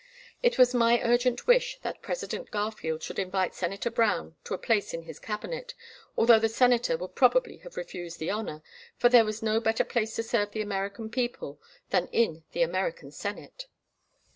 It was my urgent wish that President Garfield should invite Senator Brown to a place in his Cabinet, although the Senator would probably have refused the honour, for there was no better place to serve the American people than in the American Senate.